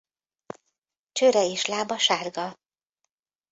Csőre és lába sárga.